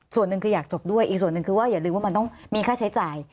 ส่วนหนึ่งคืออยากจบด้วยอีกส่วนหนึ่งคือว่าอย่าลืมว่ามันต้องมีค่าใช้จ่าย